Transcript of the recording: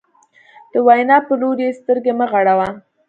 د وینا په لوري یې سترګې مه غړوه.